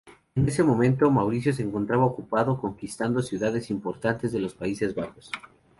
En ese momento, Mauricio se encontraba ocupado conquistando ciudades importantes de los Países Bajos.